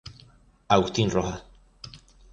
Agustín Rojas.